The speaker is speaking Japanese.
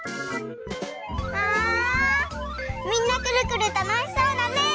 あみんなくるくるたのしそうだね。